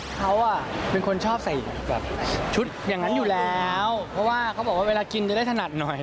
เขาเป็นคนชอบใส่แบบชุดอย่างนั้นอยู่แล้วเพราะว่าเขาบอกว่าเวลากินจะได้ถนัดหน่อย